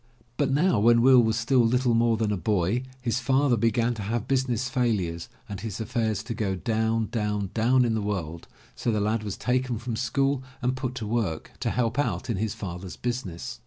But now when Will was still little more than a boy, his father began to have business failures and his affairs to go down, down, down in the world, so the lad was taken from school and put to work, to help out in his father's business.